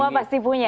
semua pasti punya ya